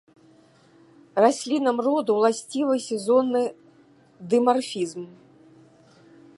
Раслінам роду ўласцівы сезонны дымарфізм.